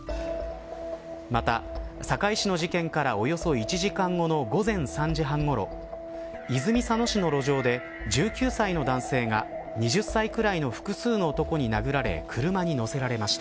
また、堺市の事件からおよそ１時間後の午前３時半ごろ泉佐野市の路上で１９歳の男性が２０歳くらいの複数の男に殴られ車に乗せられました。